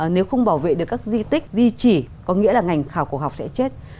nếu không bảo vệ được các di tích di chỉ có nghĩa là ngành khảo cổ học sẽ chết